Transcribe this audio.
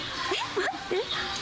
待って。